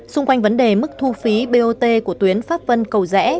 xung quanh vấn đề mức thu phí bot của tuyến pháp vân cầu rẽ